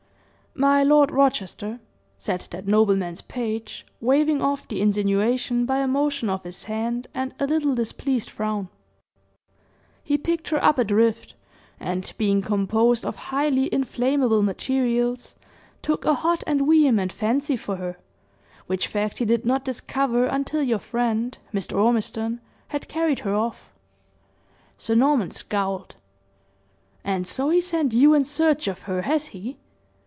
"My Lord Rochester," said that nobleman's page, waving off the insinuation by a motion of his hand and a little displeased frown; "he picked her up adrift, and being composed of highly inflammable materials, took a hot and vehement fancy for her, which fact he did not discover until your friend, Mr. Ormiston, had carried her off." Sir Norman scowled. "And so he sent you in search of her, has he?"